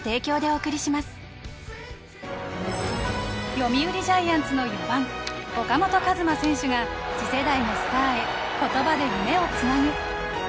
読売ジャイアンツの４番岡本和真選手が次世代のスターへ言葉で夢をつなぐ。